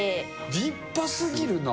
立派すぎるな。